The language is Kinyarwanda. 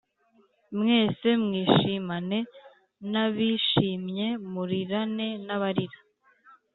mwese mwishimane nabishimye murirane n’abarira